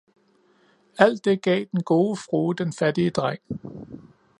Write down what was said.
Alt det gav den gode frue den fattige dreng